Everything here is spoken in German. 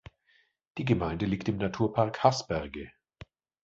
Die Gemeinde liegt im Naturpark Haßberge.